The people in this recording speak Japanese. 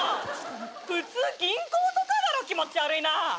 普通銀行とかだろ気持ち悪いな。